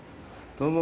どうも。